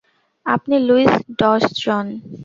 আপনি Lewis Dodgson?